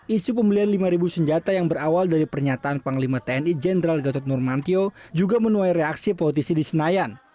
isu pembelian lima senjata yang berawal dari pernyataan panglima tni jenderal gatot nurmantio juga menuai reaksi politisi di senayan